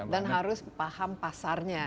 dan harus paham pasarnya kan